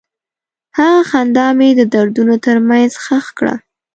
هغه خندا مې د دردونو تر منځ ښخ کړه.